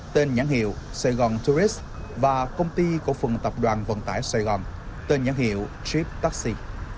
tên nhãn hiệu sài gòn tourist và công ty cổ phần tập đoàn vận tải sài gòn tên nhãn hiệu trip taxi